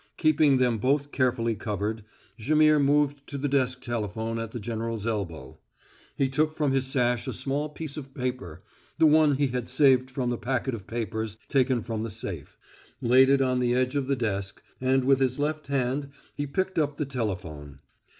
Keeping them both carefully covered, Jaimihr moved to the desk telephone at the general's elbow. He took from his sash a small piece of paper the one he had saved from the packet of papers taken from the safe laid it on the edge of the desk, and with his left hand he picked up the telephone.